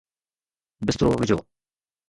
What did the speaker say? بسترو وجھو